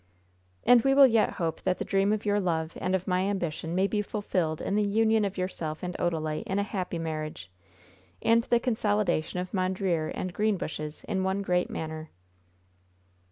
"And we will yet hope that the dream of your love and of my ambition may be fulfilled in the union of yourself and Odalite in a happy marriage, and the consolidation of Mondreer and Greenbushes in one great manor."